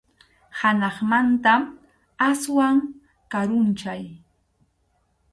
Hanaqmanta aswan karunchay.